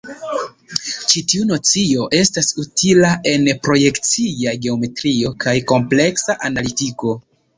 Ĉi tiu nocio estas utila en projekcia geometrio kaj kompleksa analitiko.